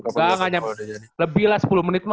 nggak nggak lebih lah sepuluh menit